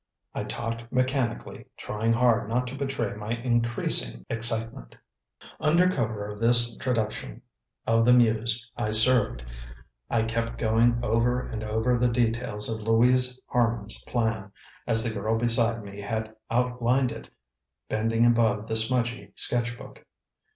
I talked mechanically, trying hard not to betray my increasing excitement. Under cover of this traduction of the Muse I served, I kept going over and over the details of Louise Harman's plan, as the girl beside me had outlined it, bending above the smudgy sketch book.